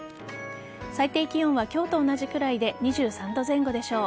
最低気温は今日と同じくらいで２３度前後でしょう。